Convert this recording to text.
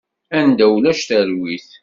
Anda ulac talwit.